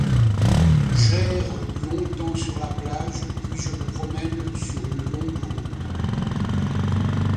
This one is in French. J'erre longtemps sur la plage, puis je me promène sur une longue route.